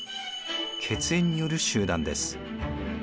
血縁による集団です。